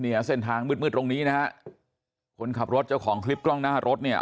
เนี่ยเส้นทางมืดมืดตรงนี้นะฮะคนขับรถเจ้าของคลิปกล้องหน้ารถเนี่ย